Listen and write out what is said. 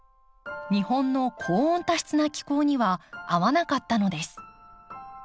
日本の高温多湿な気候には合わなかったのです。